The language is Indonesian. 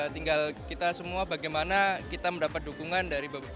tinggal kita semua bagaimana kita mendapat dukungan dari beberapa